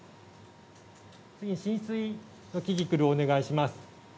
次に浸水のキキクルをお願いします。